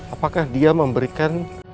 apakah dia memberikan